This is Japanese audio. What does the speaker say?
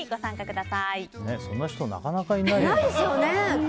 そんな人なかなかいないよね。